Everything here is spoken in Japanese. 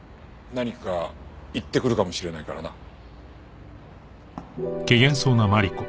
何か言ってくるかもしれないからな。